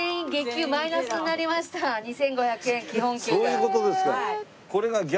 そういう事ですか。